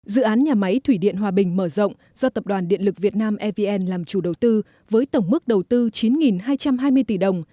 dự án nhà máy thủy điện hòa bình mở rộng do tập đoàn điện lực việt nam evn làm chủ đầu tư với tổng mức đầu tư chín hai trăm hai mươi tỷ đồng